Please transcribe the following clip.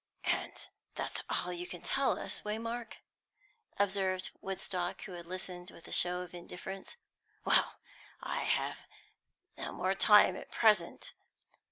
"And that's all you can tell us, Waymark?" observed Mr. Woodstock, who had listened with a show of indifference. "Well, I have no more time at present.